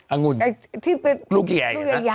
อังุณลูกใหญ่